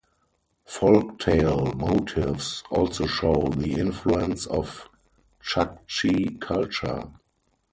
Folktale motifs also show the influence of Chuckchi culture.